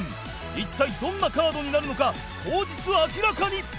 一体どんなカードになるのか当日明らかに！